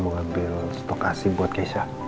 mau ambil stok asin buat keisha